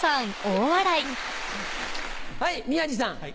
はい宮治さん。